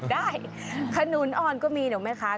ได้ขนูนอ่อนก็มีเหรอไหมค่ะ